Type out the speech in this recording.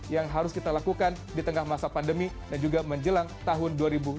yang harus kita lakukan di tengah masa pandemi dan juga menjelang tahun dua ribu dua puluh